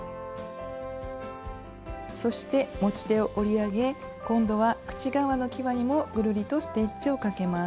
そして持ち手を折り上げ今度は口側のきわにもぐるりとステッチをかけます。